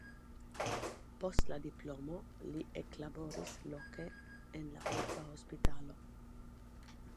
Post la diplomo li eklaboris loke en la urba hospitalo.